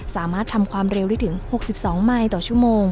สามารถทำความเร็วได้ถึง๖๒ไมค์ต่อชั่วโมง